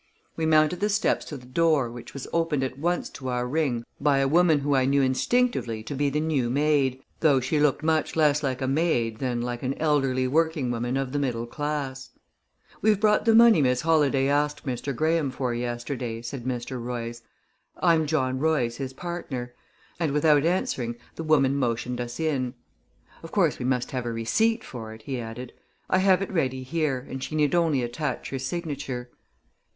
We mounted the steps to the door, which was opened at once to our ring by a woman whom I knew instinctively to be the new maid, though she looked much less like a maid than like an elderly working woman of the middle class. "We've brought the money Miss Holladay asked Mr. Graham for yesterday," said Mr. Royce. "I'm John Royce, his partner," and without answering the woman motioned us in. "Of course we must have a receipt for it," he added. "I have it ready here, and she need only attach her signature."